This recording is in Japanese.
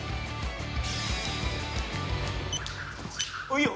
いいよ。